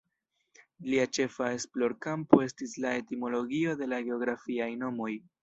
Lia ĉefa esplorkampo estis la etimologio de la geografiaj nomoj.